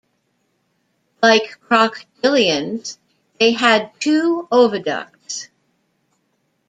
Like crocodilians, they had two oviducts.